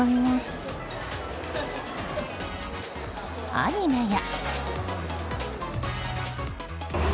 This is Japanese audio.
アニメや。